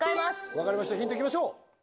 分かりましたヒントいきましょう！